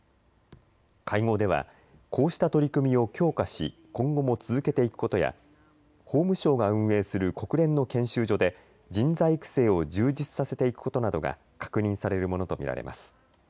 会合ではこうした取り組みを強化し今後も続けていくことや法務省が運営する国連の研修所で人材育成を充実させていくことなどが確認されるものと見られます。